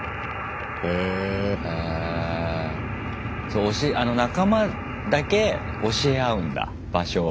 そう仲間だけ教え合うんだ場所を。